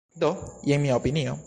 Do jen mia opinio.